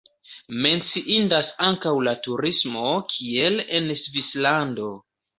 Menciindas ankaŭ la turismo, kiel en Svislando.